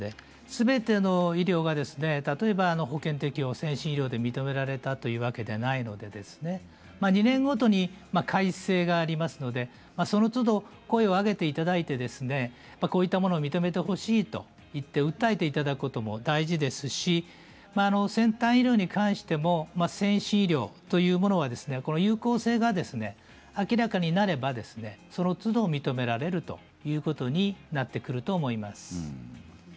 すべての医療が例えば保険適用、先進医療で認められたというわけではないので２年ごとに改正がありますのでそのつど声を上げていただいてこういったものを認めてほしいと言って訴えていただくことも大事ですし先進医療というものは有効性が明らかになればそのつど認められるということになってくると思います。